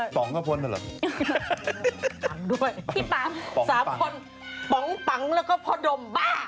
พี่ป๋องก็พ้นเสร็จหรอพี่ป๋อง๓คนป๋องปำงแล้วก็พ่อดมบ้า